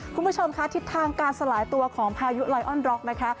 คุณผู้ชมทิศทางการสลายตัวของพายุไลน์ออนดร็อก